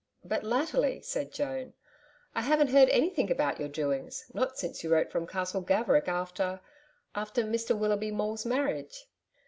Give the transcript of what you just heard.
'But latterly,' said Joan, 'I haven't heard anything about your doings not since you wrote from Castle Gaverick after after Mr Willoughby Maule's marriage?'